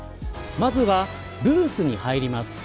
まずは、ブースに入ります。